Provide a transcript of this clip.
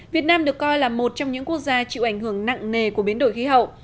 việt nam được coi là một trong những quốc gia chịu ảnh hưởng nặng nề của biến đổi khí hậu